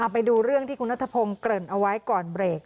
ไปดูเรื่องที่คุณนัทพงศ์เกริ่นเอาไว้ก่อนเบรก